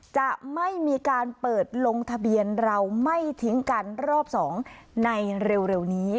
จะไม่มีการเปิดลงทะเบียนเราไม่ทิ้งกันรอบ๒ในเร็วนี้